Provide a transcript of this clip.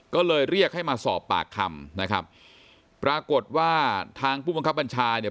ก็เลยเรียกให้มาสอบปากคำนะครับปรากฏว่าทางผู้บังคับบัญชาเนี่ย